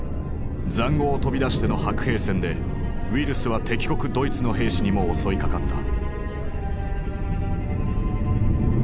塹壕を飛び出しての白兵戦でウイルスは敵国ドイツの兵士にも襲いかかった。